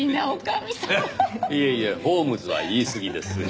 いえいえホームズは言いすぎです。